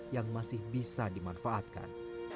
yang masih bisa dimanfaatkan